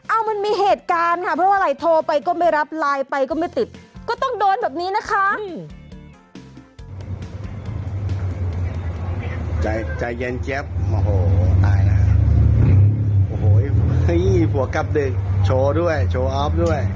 โอ้โฮเห้ยผัวกลับดึกโชว์ด้วยโชว์ออฟด้วย